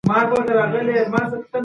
که هلته شراب، موسیقي يا نوري نافرمانۍ وي.